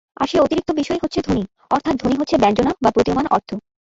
আর সে অতিরিক্ত বিষয়ই হচ্ছে ধ্বনি, অর্থাৎ ‘ধ্বনি’ হচ্ছে ব্যঞ্জনা বা প্রতীয়মান অর্থ।